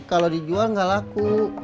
kalau dijual gak laku